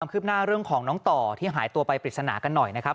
คืบหน้าเรื่องของน้องต่อที่หายตัวไปปริศนากันหน่อยนะครับ